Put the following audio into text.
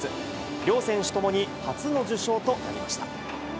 両選手ともに、初の受賞となりました。